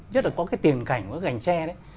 rất là có cái tiền cảnh của cái gành tre đấy